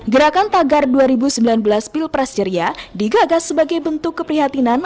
gerakan tagar dua ribu sembilan belas pilpres ceria digagas sebagai bentuk keprihatinan